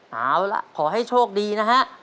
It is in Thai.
เอาล่ะขอให้โชคดีนะฮะ